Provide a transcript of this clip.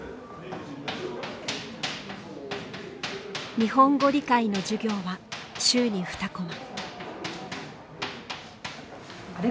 日本語理解の授業は週に２コマ。